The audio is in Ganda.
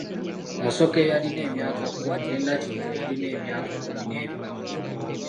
Musoke eyalina emyaka kkumi ne Nakintu eyalina emyaka kkumi n'ebiri.